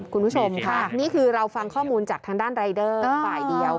คุณผู้ชมค่ะนี่คือเราฟังข้อมูลจากทางด้านรายเดอร์ฝ่ายเดียว